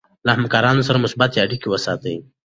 له همکارانو سره مثبت اړیکه وساتئ.